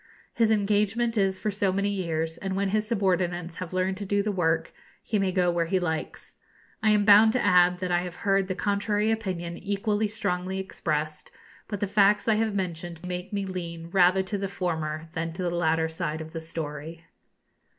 His engagement is for so many years, and when his subordinates have learned to do the work he may go where he likes. I am bound to add that I have heard the contrary opinion equally strongly expressed; but the facts I have mentioned make me lean rather to the former than to the latter side of the story.